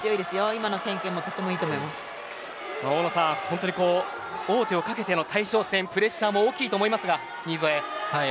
今のけんけんも王手をかけての大将戦はプレッシャーも大きいと思いますが。